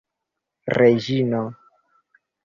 reĝino